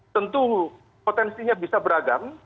tentu potensinya bisa beragam